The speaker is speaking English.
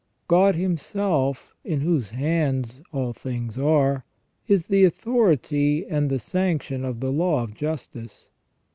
God Himself, in whose hands all things are, is the authority and the sanction of the law of justice.